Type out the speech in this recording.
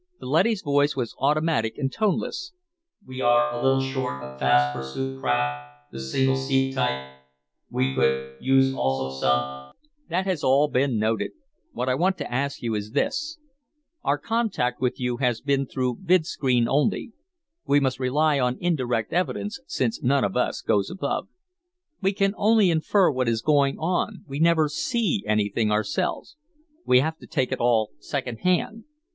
"No. The war continues." The leady's voice was automatic and toneless. "We are a little short of fast pursuit craft, the single seat type. We could use also some " "That has all been noted. What I want to ask you is this. Our contact with you has been through vidscreen only. We must rely on indirect evidence, since none of us goes above. We can only infer what is going on. We never see anything ourselves. We have to take it all secondhand.